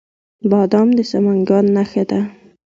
بادام د سمنګان نښه ده.